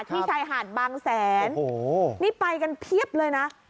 ชายหาดบางแสนนี่ไปกันเพียบเลยนะ